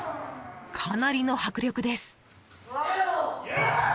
かなりの迫力です。